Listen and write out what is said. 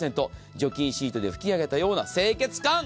除菌シートで拭き上げたような清潔感。